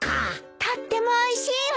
とってもおいしいわ。